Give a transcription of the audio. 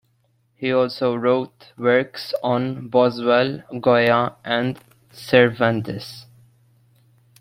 He also wrote works on Boswell, Goya and Cervantes.